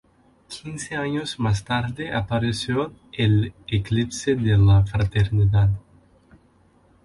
Quince años más tarde apareció "El eclipse de la fraternidad.